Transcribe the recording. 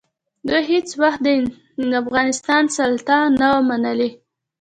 دوی هېڅ وخت د افغانستان سلطه نه وه منلې.